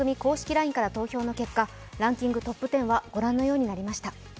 ＬＩＮＥから投票の結果、ランキングトップ１０はご覧のようになりました。